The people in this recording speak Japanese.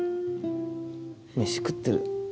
飯食ってる。